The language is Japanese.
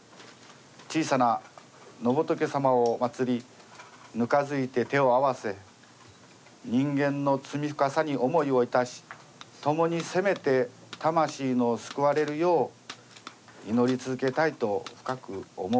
小さな野仏様を祀りぬかずいて手をあわせ人間の罪深さに思いをいたし共にせめて魂の救われるよう祈り続けたいと深く思うのです」。